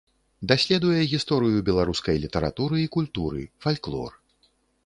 Даследуе гісторыю беларускай літаратуры і культуры, фальклор.